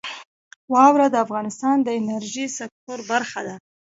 واوره د افغانستان د انرژۍ سکتور برخه ده.